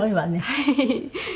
はい。